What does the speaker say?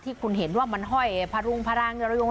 ที่คุณเห็นว่ามันห้อยพรุงพลังระยง